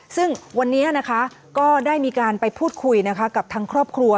ซึ่งวันนี้นะคะก็ได้มีการไปพูดคุยนะคะกับทางครอบครัว